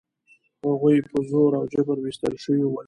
هغوی په زور او جبر ویستل شوي ول.